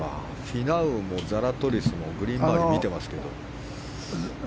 フィナウもザラトリスもグリーン周りを見てますけど。